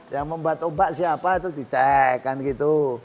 yang membuat ombak siapa itu dicek kan gitu